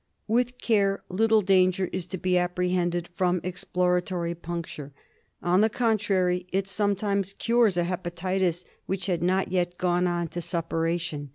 With care little danger is to be apprehended from exploratory puncture; on the contrary, it sometimes cures a hepatitis which had not yet gone on to suppura tion.